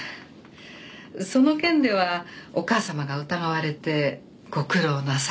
その件ではお母様が疑われてご苦労なさったとか。